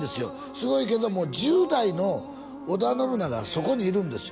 すごいけども１０代の織田信長がそこにいるんですよ